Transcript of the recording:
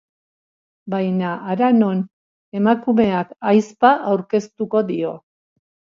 Baina, hara non, emakumeak ahizpa aurkeztuko dio.